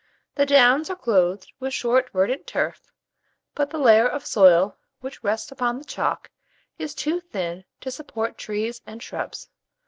The Downs are clothed with short verdant turf; but the layer of soil which rests upon the chalk is too thin to support trees and shrubs.